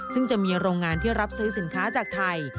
ซึ่งจะมีโรงงานที่รับซื้อสินค้าจากไทย